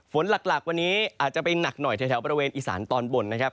ฝนหลักวันนี้อาจจะไปหนักหน่อยแถวบริเวณอีสานตอนบนนะครับ